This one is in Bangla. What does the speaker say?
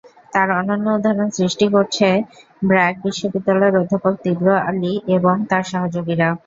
তার অনন্য উদাহরণ সৃষ্টি করেছে ব্র্যাক বিশ্ববিদ্যালয়ের অধ্যাপক তীব্র আলী এবং তার সহযোগীরা।